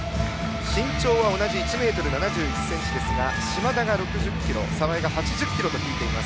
身長は同じ１ｍ７１ｃｍで嶋田が６０ｋｇ澤江が８０ｋｇと聞いています。